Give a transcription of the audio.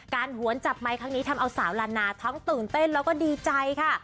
ทั้งนี้ทำเอาสาวลานนาทั้งตื่นเต้นแล้วก็ดีใจค่ะ